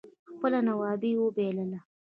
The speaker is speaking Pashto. خپله نوابي اوبائلله